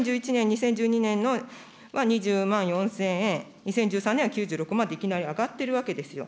２０１１年、２０１２年は２０万４０００円、２０１３年は９６万と、いきなり上がっているわけですよ。